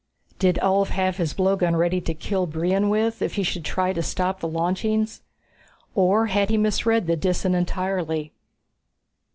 Did Ulv have his blowgun ready to kill Brion with, if he should try to stop the launchings? Or had he misread the Disan entirely?